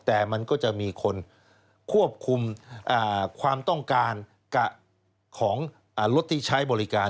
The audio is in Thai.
แต่มันก็จะมีคนควบคุมความต้องการของรถที่ใช้บริการ